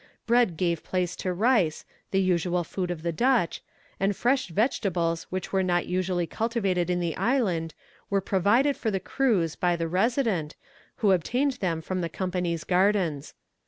Bread gave place to rice, the usual food of the Dutch, and fresh vegetables which are not usually cultivated in the island, were provided for the crews by the resident, who obtained them from the Company's gardens.